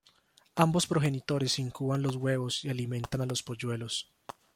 Ambos progenitores incuban los huevos y alimentan a los polluelos.